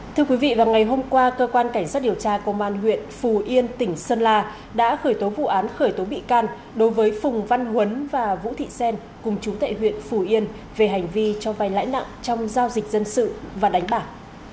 thưa quý vị vào ngày hôm qua cơ quan cảnh sát điều tra công an huyện phù yên tỉnh sơn la đã khởi tố vụ án khởi tố bị can đối với phùng văn huấn và vũ thị xen cùng chú tệ huyện phù yên về hành vi cho vai lãi nặng trong giao dịch dân sự và đánh bạc